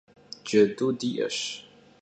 Cedu di'eş.